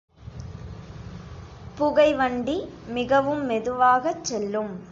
புகை வண்டி மிகவும் மெதுவாகச் செல்லும்.